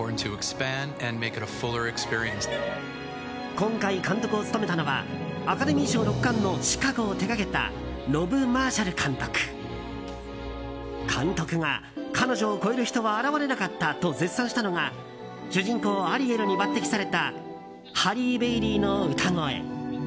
今回、監督を務めたのはアカデミー賞６冠の「シカゴ」を手掛けたロブ・マーシャル監督。監督が彼女を超える人は現れなかったと絶賛したのが主人公アリエルに抜擢されたハリー・ベイリーの歌声。